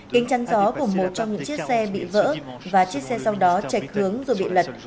kính chắn gió của một trong những chiếc xe bị vỡ và chiếc xe sau đó chạy hướng rồi bị lật